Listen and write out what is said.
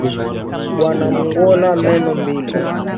Bana mu ngola meno mbili